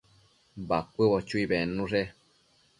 Bacuëbo chuinu bednushe